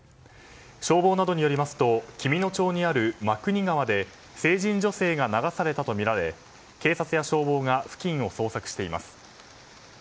消防などによりますと紀美野町にある真国川で成人女性が流されたとみられ警察や消防が付近を捜索しています。